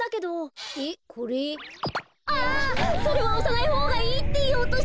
それはおさないほうがいいっていおうとしたのに。